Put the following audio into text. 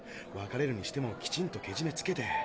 別れるにしてもきちんとけじめつけて。